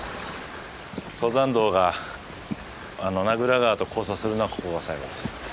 登山道が名蔵川と交差するのはここが最後です。